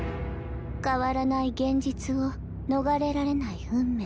変わらない現実を逃れられない運命